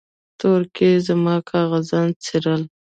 تورکي زما کاغذان څيرل.